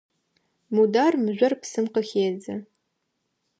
Мудар мыжъор псым къыхедзы.